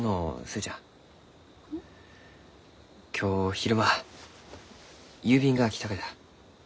今日昼間郵便が来たがじゃ。